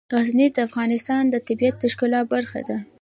غزني د افغانستان د طبیعت د ښکلا برخه ده.